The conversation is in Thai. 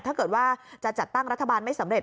ถ้าเกิดว่าจะจัดตั้งรัฐบาลไม่สำเร็